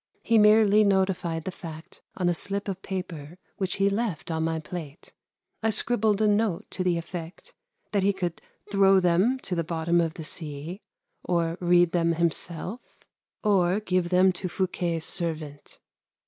He merely notified the fact on a slip of paper, which he left on my plate. I scribbled a note to the effect that he could throw them to the bottom of the sea, or read them himself, or give them to Fouquet's servant.